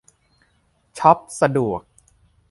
ช็อปสะดวก